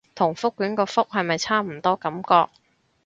同覆卷個覆係咪差唔多感覺